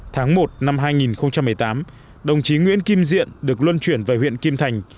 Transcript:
tháng một năm hai nghìn một mươi tám đồng chí nguyễn kim diện được luân chuyển về huyện kim thành